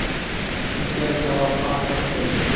ملګری ته وفا ارزښت لري